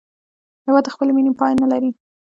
هېواد د خپلې مینې پای نه لري.